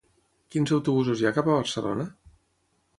Quins autobusos hi ha cap a Barcelona?